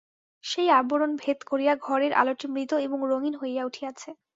সেই আবরণ ভেদ করিয়া ঘরের আলোটি মৃদু এবং রঙিন হইয়া উঠিয়াছে।